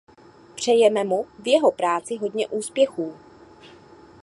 Přejeme mu v jeho práci hodně úspěchů.